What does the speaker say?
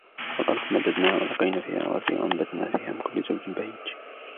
والأرض مددناها وألقينا فيها رواسي وأنبتنا فيها من كل زوج بهيج